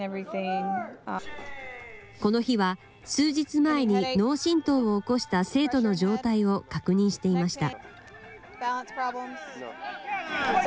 この日は数日前に脳震とうを起こした生徒の状態を確認していました。